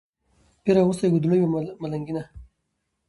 پیر اغوستې ګودړۍ وه ملنګینه